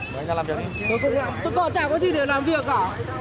tôi không có gì để làm việc cả